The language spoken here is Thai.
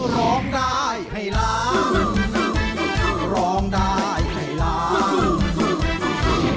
ร้องได้ให้ล้าง